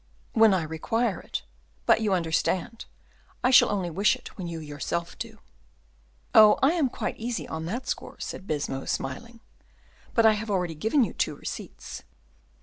"When I require it; but, you understand, I shall only wish it when you yourself do." "Oh, I am quite easy on that score," said Baisemeaux, smiling; "but I have already given you two receipts."